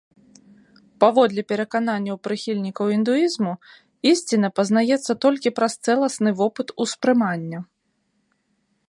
Паводле перакананняў прыхільнікаў індуізму, ісціна пазнаецца толькі праз цэласны вопыт ўспрымання.